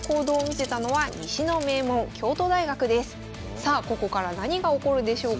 さあここから何が起こるでしょうか。